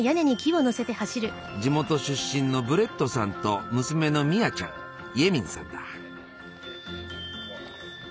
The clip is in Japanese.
地元出身のブレットさんと娘のミアちゃんイェミンさんだ。